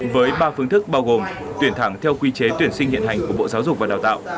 với ba phương thức bao gồm tuyển thẳng theo quy chế tuyển sinh hiện hành của bộ giáo dục và đào tạo